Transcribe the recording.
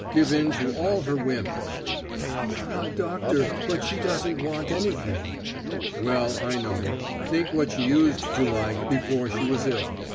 Give in to all her whims." "Ah, doctor, but she doesn't want anything!" "Well, I don't know ... think what she used to like before she was ill.